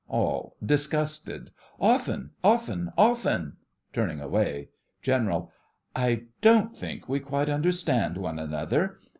ALL: (disgusted) Often, often, often. (Turning away) GENERAL: I don't think we quite understand one another.